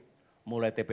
dan juga dengan sby